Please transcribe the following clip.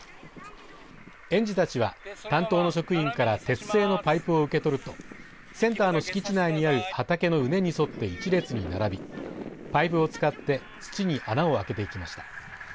園児たちは担当の職員から鉄製のパイプを受け取るとセンターの敷地内にある畑の畝に沿って１列に並びパイプを使って土に穴を開けていきました。